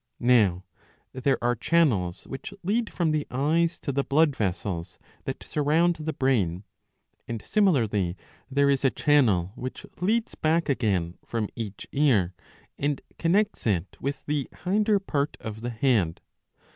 Now there are channels ^^ which lead from the eyes to the blood vessels that surround the brain ; and similarly there is a channel which leads back again from each ear and connects it with the hinder part of the head.